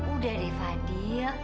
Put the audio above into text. udah deh fadil